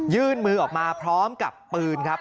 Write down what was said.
ยื่นมือออกมาพร้อมกับปืนครับ